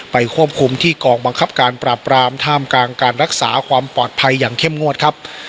ควบคุมที่กองบังคับการปราบรามท่ามกลางการรักษาความปลอดภัยอย่างเข้มงวดครับ